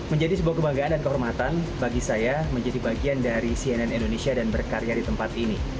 menjadi sebuah kebanggaan dan kehormatan bagi saya menjadi bagian dari cnn indonesia dan berkarya di tempat ini